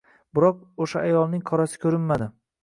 Biroq, o‘sha ayolning qorasi ko‘rinmadi